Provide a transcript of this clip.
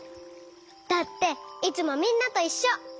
だっていつもみんなといっしょ！